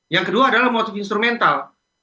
yang kedua adalah motif instrumental